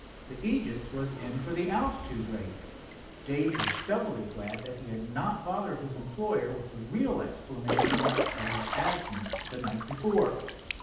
The Aegis was in for the altitude race. Dave was doubly glad that he had not bothered his employer with the real explanation of his absence the night before.